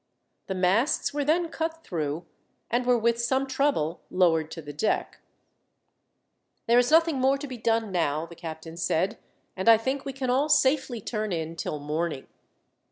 The masts were then cut through, and were with some trouble lowered to the deck. "There is nothing more to be done now," the captain said, "and I think we can all safely turn in till morning."